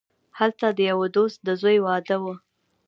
هلته د یوه دوست د زوی واده وو.